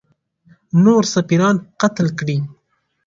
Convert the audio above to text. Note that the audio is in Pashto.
نور سفیران قتل کړي.